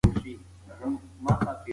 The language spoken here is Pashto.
هغه به تر قیامته زما په یاد کې ژوندۍ وي.